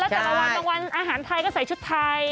บางวันอาหารไทยก็ใส่ชุดไทย